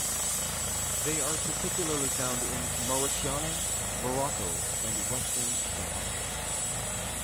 They are particularly found in Mauritania, Morocco and Western Sahara.